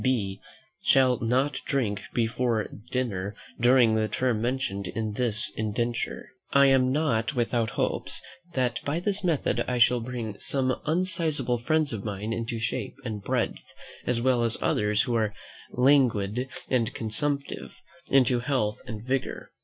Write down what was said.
B. shall not drink before dinner during the term mentioned in this indenture." I am not without hopes, that by this method I shall bring some unsizable friends of mine into shape and breadth, as well as others, who are languid and consumptive, into health and vigour.